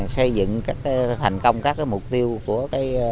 xây dựng các thành công các mục tiêu của